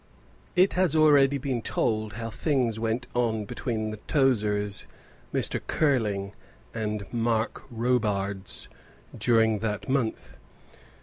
It has been already told how things went on between the Tozers, Mr. Curling, and Mark Robarts during that month.